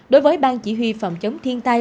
đối với ban chỉ huy phòng chống thiên tai